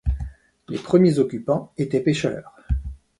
Les premiers occupants étaient pêcheurs.